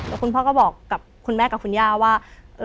แล้วคุณพ่อก็บอกกับคุณแม่กับคุณย่าว่า